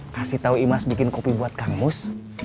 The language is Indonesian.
kasih tahu imas bikin kopi buat kang mus